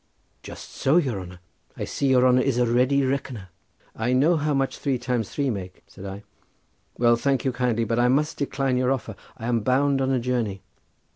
"Just so, your honour; I see your honour is a ready reckoner." "I know how much three times three make," said I. "Well, thank you, kindly, but I must decline your offer; I am bound on a journey."